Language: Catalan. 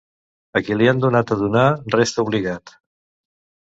A qui li han donat a donar resta obligat.